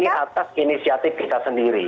ini atas inisiatif kita sendiri